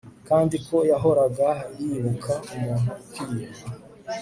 kandi ko yahoraga yibuka umuntu ukwiye